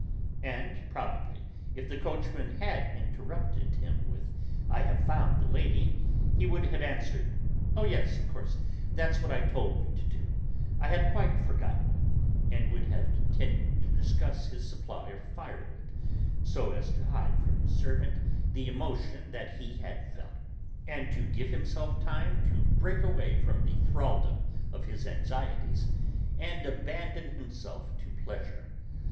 And probably, if the coachman had interrupted him with, "I have found the lady," he would have answered, "Oh, yes, of course; that's what I told you to do. I had quite forgotten," and would have continued to discuss his supply of firewood, so as to hide from his servant the emotion that he had felt, and to give himself time to break away from the thraldom of his anxieties and abandon himself to pleasure.